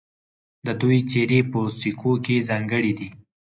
د دوی څیرې په سکو کې ځانګړې دي